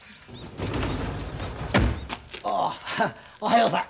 ああおはようさん。